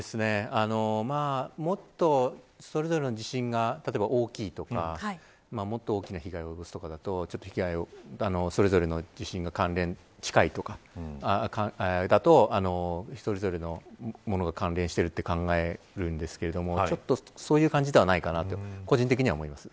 もっと、それぞれの地震が例えば大きいとかもっと大きな被害を及ぼしたりするとそれぞれの地震が関連していて一つ一つのものが関連すると考えるんですけどそういう感じではないかなと個人的な思います。